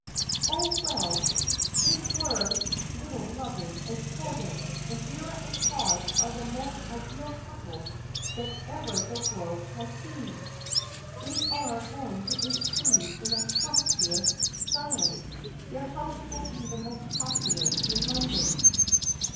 "Oh, well, they were little lovers as children, and Vera and Claude are the most ideal couple that ever the world has seen. They are going to entertain in a sumptuous style. Their house will be the most popular in London."